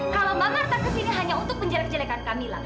kalau mbak marta kesini hanya untuk menjelek jelekan kamila